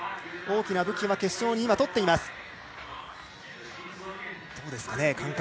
大きな武器は決勝にとっています。